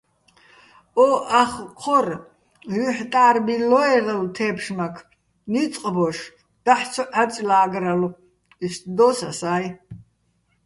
ო ახ ჴორ ჲუჲჰ̦ტა́რ ბილლო́ერალო̆ თე́ფშმაქ, ნიწყ ბოშ, დაჰ̦ ცო ჺარჭლა́გრალო̆, იშტ დო́ს ასა́ჲ.